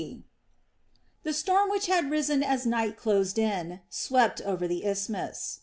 The storm which had risen as night closed in swept over the isthmus.